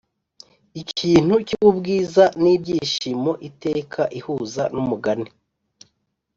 ikintu cyubwiza nibyishimo iteka ihuza numugani